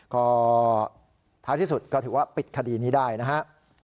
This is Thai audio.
ก็ท้ายที่สุดก็ถือว่าปิดคดีนี้ได้นะครับ